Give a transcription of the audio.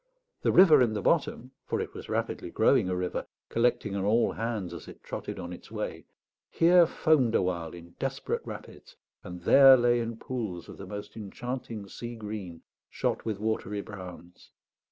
The river in the bottom (for it was rapidly growing a river, collecting on all hands as it trotted on its way) here foamed a while in desperate rapids, and there lay in pools of the most enchanting sea green shot with watery browns.